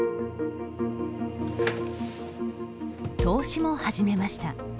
投資も始めました。